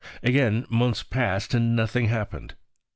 Again months passed and nothing happened.